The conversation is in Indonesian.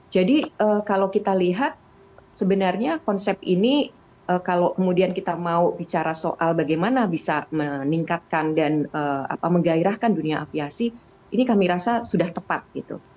jadi kalau kita lihat sebenarnya konsep ini kalau kemudian kita mau bicara soal bagaimana bisa meningkatkan dan menggairahkan dunia aviasi ini kami rasa sudah tepat gitu